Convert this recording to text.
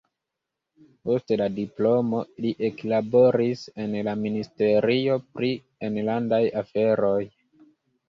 Post la diplomo li eklaboris en la ministerio pri enlandaj aferoj.